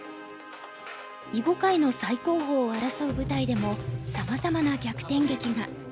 囲碁界の最高峰を争う舞台でもさまざまな逆転劇が。